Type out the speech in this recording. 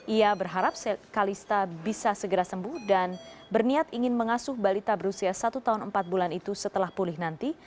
ia berharap kalista bisa segera sembuh dan berniat ingin mengasuh balita berusia satu tahun empat bulan itu setelah pulih nanti